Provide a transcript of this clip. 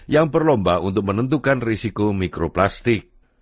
yang berlomba untuk menentukan risiko mikroplastik